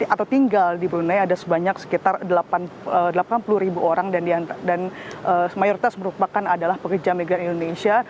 atau tinggal di brunei ada sebanyak sekitar delapan puluh ribu orang dan mayoritas merupakan adalah pekerja migran indonesia